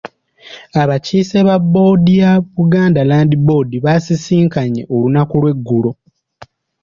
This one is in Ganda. Abakiise ba bboodi ya Buganda Land Board baasisinkanye olunaku lweggulo.